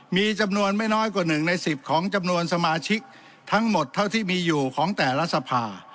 มีจำนวนไม่น้อยกว่า๑ใน๑๐ของจำนวนสมาชิกทั้งหมดเท่าที่มีอยู่ของแต่ละสภา